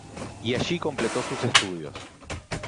Y allí completó sus estudios.